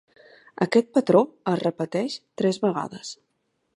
Aquest patró es repeteix tres vegades.